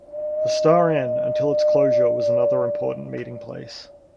The Star Inn, until its closure, was another important meeting place.